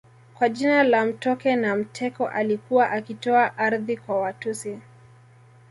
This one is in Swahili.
Kwa jina la Mtoke Na mteko alikuwa akitoa ardhi kwa Watusi